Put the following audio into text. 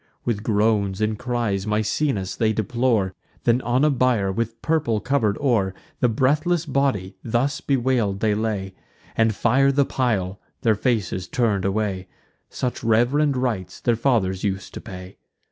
With groans and cries Misenus they deplore: Then on a bier, with purple cover'd o'er, The breathless body, thus bewail'd, they lay, And fire the pile, their faces turn'd away: Such reverend rites their fathers us'd to pay.